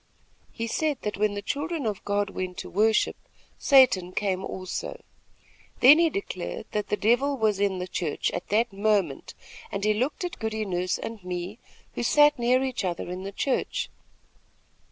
He said that when the children of God went to worship, Satan came also. Then he declared that the Devil was in the church at that moment, and he looked at Goody Nurse and me, who sat near each other in the church.